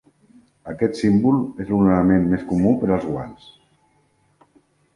Aquest símbol és l'ornament més comú per als guants.